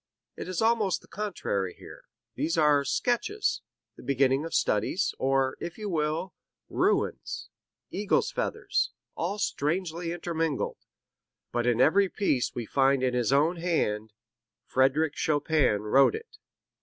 It is almost the contrary here; these are sketches, the beginning of studies, or, if you will, ruins, eagles' feathers, all strangely intermingled. But in every piece we find in his own hand, 'Frederic Chopin wrote it.'